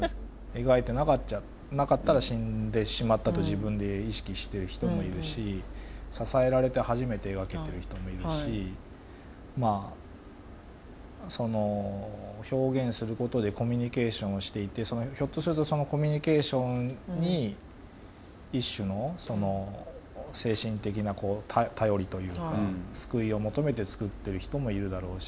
描いてなかったら死んでしまったと自分で意識してる人もいるし支えられて初めて描けてる人もいるし表現することでコミュニケーションをしていてひょっとするとそのコミュニケーションに一種の精神的な頼りというか救いを求めて作ってる人もいるだろうし。